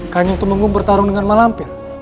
kanjeng temenggu bertarung dengan malampir